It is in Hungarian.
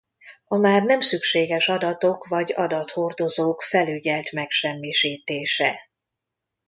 A már nem szükséges adatok vagy adathordozók felügyelt megsemmisítése.